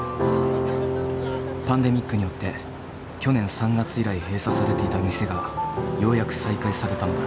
パンデミックによって去年３月以来閉鎖されていた店がようやく再開されたのだ。